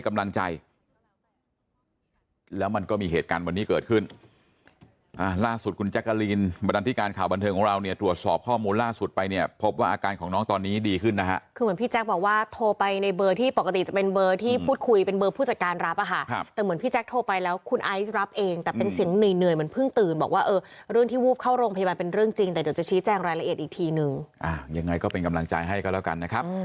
การของน้องตอนนี้ดีขึ้นนะฮะคือเหมือนพี่แจ๊คบอกว่าโทรไปในเบอร์ที่ปกติจะเป็นเบอร์ที่พูดคุยเป็นเบอร์ผู้จัดการรับอ่ะค่ะแต่เหมือนพี่แจ๊คโทรไปแล้วคุณไอซ์รับเองแต่เป็นเสียงเหนื่อยเหนื่อยมันเพิ่งตื่นบอกว่าเออเรื่องที่วูบเข้าโรงพยาบาลเป็นเรื่องจริงแต่เดี๋ยวจะชี้แจ้งรายละเอียดอีกทีน